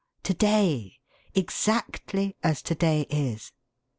_ To day, exactly as to day is!